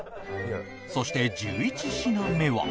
そして１１品目は